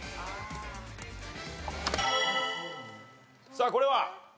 さあこれは？